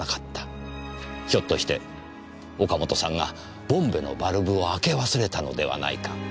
ひょっとして岡本さんがボンベのバルブを開け忘れたのではないか。